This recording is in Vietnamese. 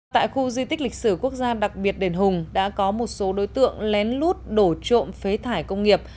tại khu di tích lịch sử quốc gia đặc biệt đền hùng đã có một số đối tượng lén lút đổ trộm phế thải công nghiệp